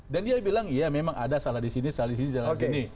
dan dia bilang ya memang ada salah di sini salah di sini salah di sini